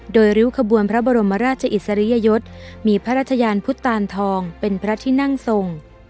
โดยริ้วขบวนพระบรมราชอิสริยยศมีพระราชยานพุทธตานทองเป็นพระที่นั่งทรง